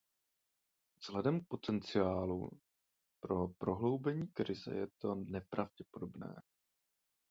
Vzhledem k potenciálu pro prohloubení krize je to nepravděpodobné.